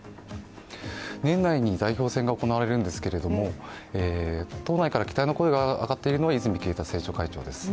年内に代表選が行われるんですが、党内から期待が上がっているのが泉健太政調会長です。